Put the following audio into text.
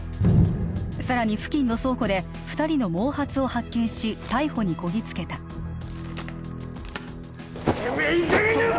さらに付近の倉庫で二人の毛髪を発見し逮捕にこぎつけたてめえいいかげんにしろこの野郎！